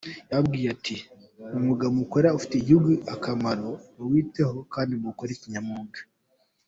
Yababwiye ati :’’Umwuga mukora ufitiye igihugu akamaro, muwiteho kandi muwukore kinyamwuga.